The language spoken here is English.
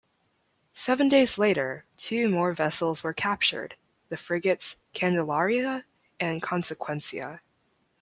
Seven days later two more vessels were captured, the frigates "Candelaria" and "Consecuencia".